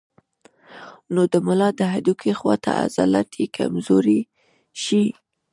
نو د ملا د هډوکي خواته عضلات ئې کمزوري شي